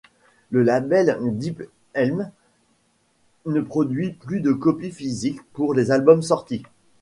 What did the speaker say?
Le label Deep Elm, ne produit plus de copie physique pour les albums sortis.